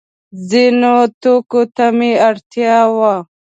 ځینو توکو ته مې اړتیا وه.